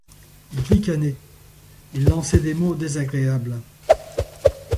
Il ricanait, il lançait des mots désagréables.